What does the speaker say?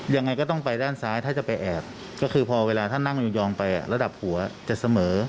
ยังไงก็ต้องไปด้านซ้ายถ้าจะไปแอบก็คือพอเวลาท่านนั่งยองไประดับหัวจะเสมอ